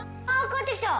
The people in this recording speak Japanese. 帰ってきた。